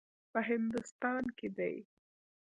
په هندوستان کې دی.